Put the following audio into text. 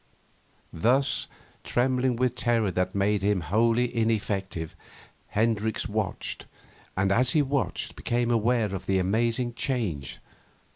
Thus, trembling with terror that made him wholly ineffective, Hendricks watched, and, as he watched, became aware of the amazing change.